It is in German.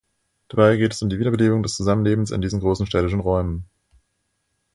Dabei geht es um die Wiederbelebung des Zusammenlebens in diesen großen städtischen Räumen.